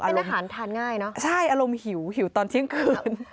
เป็นอาหารทานง่ายเนอะใช่อารมณ์หิวหิวตอนเที่ยงคืน